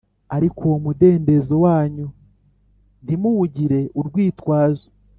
ariko uwo mudendezo wanyu ntimuwugire urwitwazo.